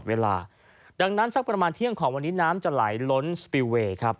เวลาดังนั้นสักประมาณเที่ยงของวันนี้น้ำจะไหลล้นสปิลเวย์ครับ